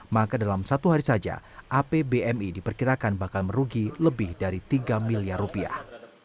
maka dalam satu hari saja apbmi diperkirakan bakal merugi lebih dari tiga miliar rupiah